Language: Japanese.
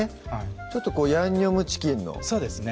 ちょっとヤンニョムチキンのそうですね